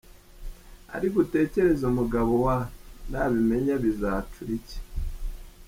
ark utekereze umugabo wae nabimenya bizacurik?.